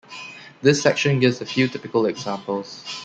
This section gives a few typical examples.